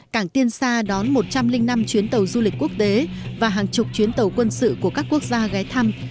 cảng tiên sa đón một trăm linh năm chuyến tàu du lịch quốc tế và hàng chục chuyến tàu quân sự của các quốc gia ghé thăm